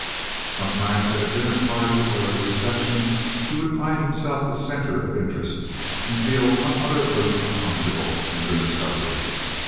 Sometimes at a dinner party or a reception he would find himself the centre of interest, and feel unutterably uncomfortable in the discovery.